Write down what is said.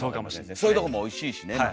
そういうとこもおいしいしね。